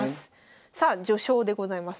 さあ序章でございます。